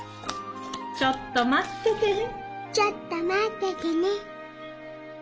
ちょっとまっててね。